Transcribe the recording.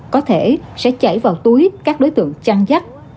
có thể sẽ chảy vào túi các đối tượng chăn dắt